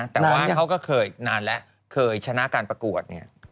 แต่ว่าเขาก็เคยนานแล้วเคยชนะการประกวดเนี่ย